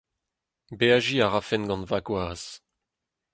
Beajiñ a rafen gant ma gwaz.